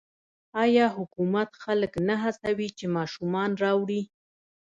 آیا حکومت خلک نه هڅوي چې ماشومان راوړي؟